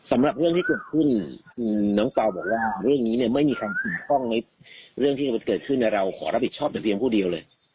สำหรับเรื่องที่เกิดขึ้นคือน้องเปล่าบอกว่าเรื่องนี้เนี่ยไม่มีความเกี่ยวข้องในเรื่องที่มันเกิดขึ้นเราขอรับผิดชอบแต่เพียงผู้เดียวเลย